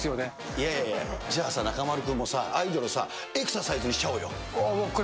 いやいやいや、中丸君もさ、アイドルさ、エクササイズにしちゃおうよ。